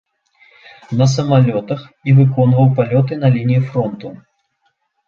На самалётах і выконваў палёты на лінію фронту.